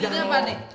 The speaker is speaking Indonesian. jadi itu apa nih